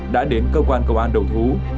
đã đến cơ quan cầu an đầu thú